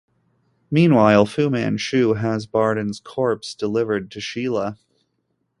Meanwhile, Fu Manchu has Barton's corpse delivered to Sheila.